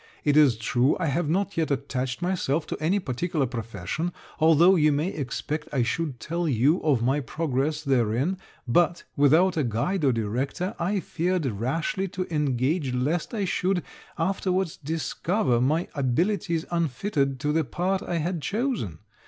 It is true, I have not yet attached myself to any particular profession, although you may expect I should tell you of my progress therein; but, without a guide or director, I feared rashly to engage lest I should afterwards discover my abilities unfitted to the part I had chosen.